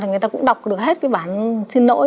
người ta cũng đọc được hết cái bản xin lỗi